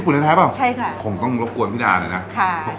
สดมาจากเซ็นไดเลยหรอ